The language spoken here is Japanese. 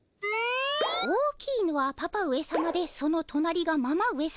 大きいのはパパ上さまでそのとなりがママ上さま。